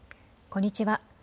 こんにちは。